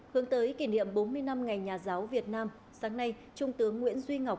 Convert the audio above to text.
hướng tới kỷ niệm bốn mươi năm ngày nhà giáo việt nam sáng nay trung tướng nguyễn duy ngọc